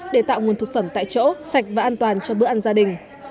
để tạo nguồn thực phẩm tại chỗ sạch và an toàn cho bữa ăn gia đình